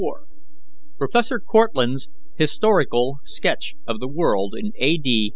PROF. CORTLANDT'S HISTORICAL SKETCH OF THE WORLD IN A. D.